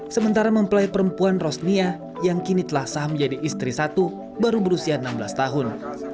sementara mempelai perempuan rosnia yang kini telah saham menjadi istri satu baru berusia enam belas tahun